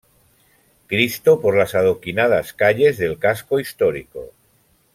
Cristo por las adoquinadas calles del Casco Histórico.